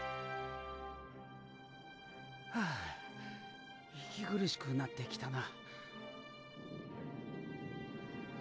はあ息苦しくなってきたな。